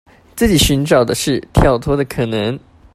自己尋找的是跳脫的可能